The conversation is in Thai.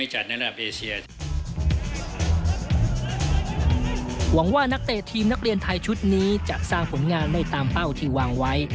หวังว่านักเตะทีมนักเรียนไทยชุดนี้จะสร้างผลงานได้ตามเป้าที่วางไว้